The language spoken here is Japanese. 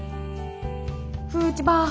フーチバー。